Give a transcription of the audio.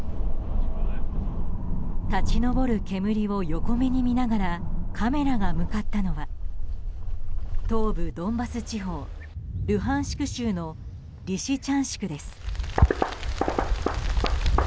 立ち上る煙を横目に見ながらカメラが向かったのは東部ドンバス地方ルハンシク州のリシチャンシクです。